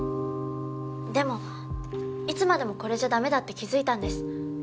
でもいつまでもこれじゃダメだって気づいたんです。